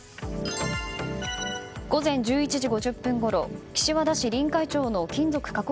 午前１１時５０分ごろ岸和田市臨海町の金属加工